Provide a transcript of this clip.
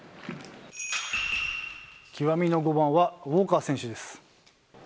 極みの５番は、ウォーカー選手です。